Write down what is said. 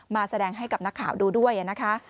มาแสดงให้กับนักข่าวดูด้วยนะคะ